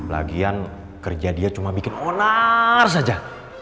lagian kerja dia cuma bikin onar saja